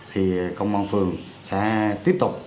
thì công an phường sẽ tiếp tục